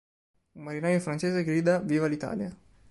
Un marinaio francese grida "Viva l'Italia!